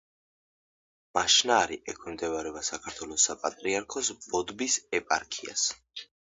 მაშნაარი ექვემდებარება საქართველოს საპატრიარქოს ბოდბის ეპარქიას.